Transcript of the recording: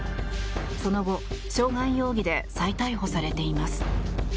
その後、傷害容疑で再逮捕されています。